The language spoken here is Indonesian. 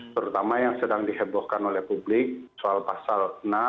terutama yang sedang dihebohkan oleh publik soal pasal enam